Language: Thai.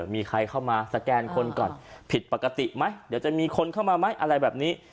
มีใครเข้ามาสแกนคนก่อนผิดปกติไหมเดี๋ยวจะมีคนเข้ามาไหมอะไรแบบนี้